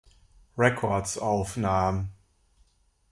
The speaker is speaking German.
Records aufnahm.